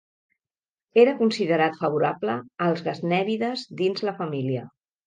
Era considerat favorable als gaznèvides dins la família.